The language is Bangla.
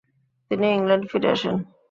তিনি ইংল্যান্ডে ফিরে আসেন।